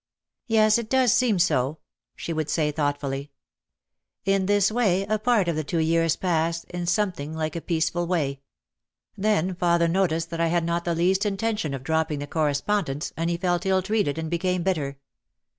"Yes, it does seem so," she would say thoughtfully. In this way a part of the two years passed in some 302 OUT OF THE SHADOW thing like a peaceful way. Then father noticed that I had not the least intention of dropping the correspond ence and he felt ill treated and became bitter.